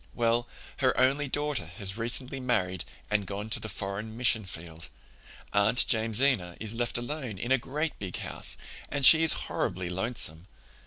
Well, her only daughter has recently married and gone to the foreign mission field. Aunt Jamesina is left alone in a great big house, and she is horribly lonesome.